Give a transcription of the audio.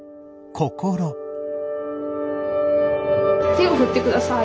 手を振ってください。